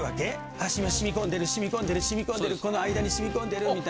味は染み込んでる染み込んでる染み込んでるこの間に染み込んでる！みたいな。